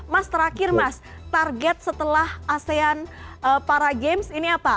mas terakhir mas target setelah asean para games ini apa